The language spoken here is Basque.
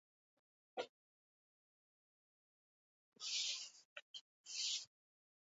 Guatemalako trafikoa sinestezina zen.